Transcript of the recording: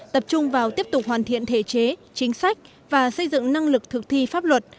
tập trung vào tiếp tục hoàn thiện thể chế chính sách và xây dựng năng lực thực thi pháp luật